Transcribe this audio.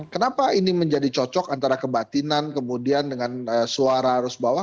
kenapa ini menjadi cocok antara kebatinan kemudian dengan suara arus bawah